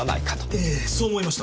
ええそう思いました。